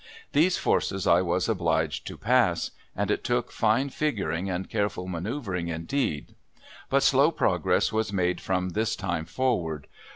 These forces I was obliged to pass, and it took fine figuring and careful manoeuvering indeed. But slow progress was made from this time forward.